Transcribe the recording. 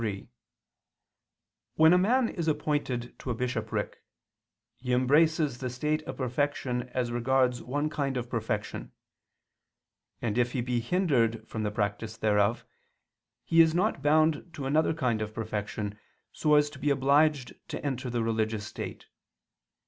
3: When a man is appointed to a bishopric, he embraces the state of perfection as regards one kind of perfection; and if he be hindered from the practice thereof, he is not bound to another kind of perfection, so as to be obliged to enter the religious state.